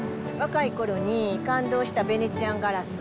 若いころに感動したヴェネツィアンガラス。